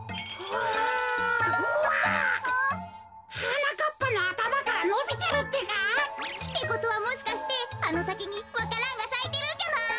はなかっぱのあたまからのびてるってか！ってことはもしかしてあのさきにわか蘭がさいてるんじゃない？